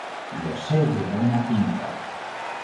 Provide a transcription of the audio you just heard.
Lo sé de buena tinta